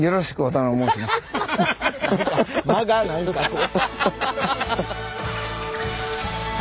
間が何かこう。